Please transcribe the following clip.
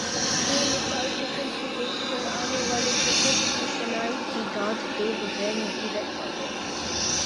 بے مثال حسن کو دیکھ کر آنے والے قدرت کی صناعی کی داد دئے بغیر نہیں رہ پاتے ۔